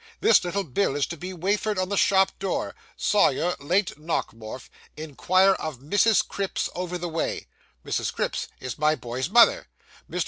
This little bill is to be wafered on the shop door: "Sawyer, late Nockemorf. Inquire of Mrs. Cripps over the way." Mrs. Cripps is my boy's mother. "Mr.